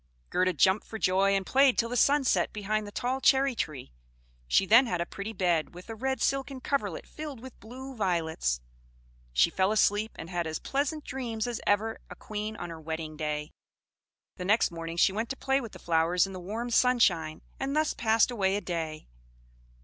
Gerda jumped for joy, and played till the sun set behind the tall cherry tree; she then had a pretty bed, with a red silken coverlet filled with blue violets. She fell asleep, and had as pleasant dreams as ever a queen on her wedding day. The next morning she went to play with the flowers in the warm sunshine, and thus passed away a day.